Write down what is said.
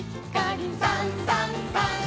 「さんさんさん」